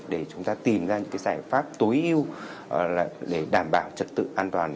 để chúng ta tìm ra những giải pháp tối ưu để đảm bảo trật tự an toàn